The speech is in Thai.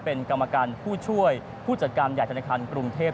เป็นกรรมการผู้ช่วยผู้จัดการใหญ่ธนาคารกรุงเทพ